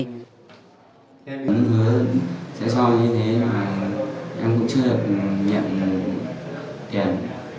hứa sẽ so với thế mà em cũng chưa được nhận tiền